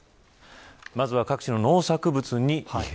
まずは、各地の農作物に異変。